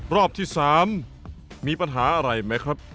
รอบที่๓มีปัญหาอะไรไหมครับ